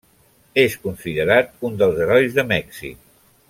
És considerat un dels herois de Mèxic.